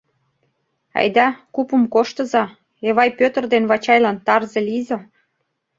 — Айда, купым коштыза, Эвай Пӧтыр ден Вачайлан тарзе лийза.